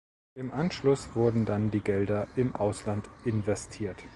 Im Anschluss wurden dann die Gelder im Ausland investiert.